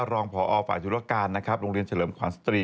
รองพอฝ่ายธุรการนะครับโรงเรียนเฉลิมขวัญสตรี